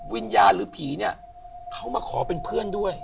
วิญญาณหรือผีเนี่ยเขามาขอเป็นเพื่อนด้วย